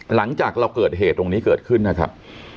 หลังจากเราเกิดเหตุตรงนี้เกิดขึ้นนะครับ